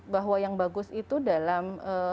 bahwa yang bagus itu dalam